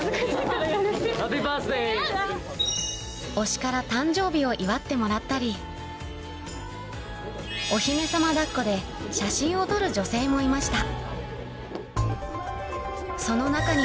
推しから誕生日を祝ってもらったりお姫様抱っこで写真を撮る女性もいました